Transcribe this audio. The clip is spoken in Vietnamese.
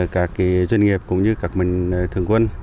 các cái doanh nghiệp cũng như các mình thường quân